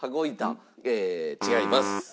違います。